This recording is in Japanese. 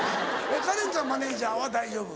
カレンちゃんマネジャーは大丈夫？